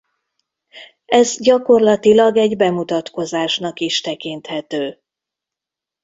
Ez gyakorlatilag egy bemutatkozásnak is tekinthető.